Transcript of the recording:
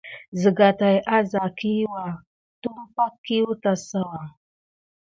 Siga tät a sa kiwua tumpay kiwu kesawa.